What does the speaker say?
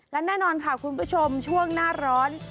และแน่นอนค่ะคุณผู้ชมช่วงหน้าร้อน